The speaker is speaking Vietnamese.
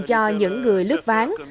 cho những người lướt ván